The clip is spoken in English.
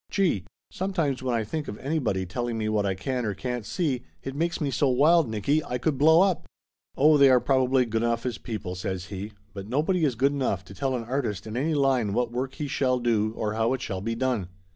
Gee! Sometimes when I think of anybody telling me what I can or can't see, it makes me so wild, Nicky, I could blow up !" "Oh, they are probably good enough as people," says he. "But nobody is good enough to tell an artist in any line what work he shall do or how it shall be done.